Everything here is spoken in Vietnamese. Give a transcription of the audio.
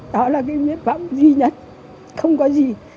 đó là cái nguyện vọng duy nhất không có gì